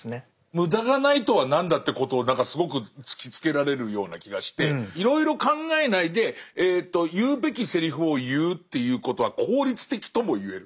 無駄がないとは何だってことをすごく突きつけられるような気がしていろいろ考えないで言うべきセリフを言うっていうことは効率的とも言える。